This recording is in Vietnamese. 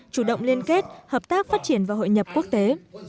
chủ động liên kết hợp tác phát triển và hội nhập quốc tế